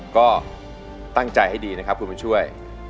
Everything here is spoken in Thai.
ก็ตั้งใจให้ดีนะครับคุณบุญช่วย